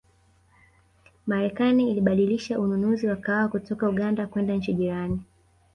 Marekani ilibadilisha ununuzi wa kahawa kutoka Uganda kwenda nchi jirani